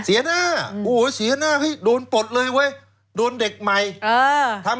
เสียหน้าโอ้โหเสียหน้าเฮ้ยโดนปลดเลยเว้ยโดนเด็กใหม่อ่าทำ